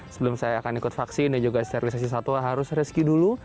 sebelum saya akan ikut vaksin dan juga sterilisasi satwa harus rescue dulu